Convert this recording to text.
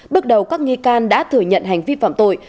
bước đầu các nghi can đã thừa nhận hành vi phạm tội